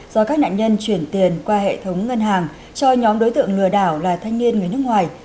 do các nạn nhân chuyển tiền qua hệ thống ngân hàng cho nhóm đối tượng lừa đảo là thanh niên người nước ngoài